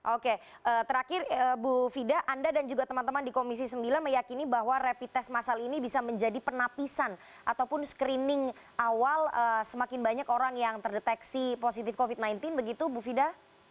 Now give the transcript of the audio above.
oke terakhir bu fida anda dan juga teman teman di komisi sembilan meyakini bahwa rapid test masal ini bisa menjadi penapisan ataupun screening awal semakin banyak orang yang terdeteksi positif covid sembilan belas begitu bu fida